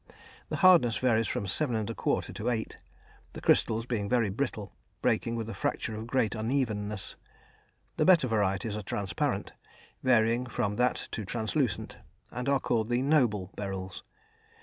The hardness varies from 7 1/4 to 8, the crystals being very brittle, breaking with a fracture of great unevenness. The better varieties are transparent, varying from that to translucent, and are called the "noble" beryls.